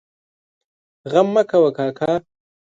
غم مه کوه کاکا!